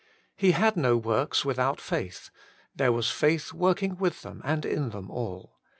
He had no works without faith ; there was faith working with them and in them all.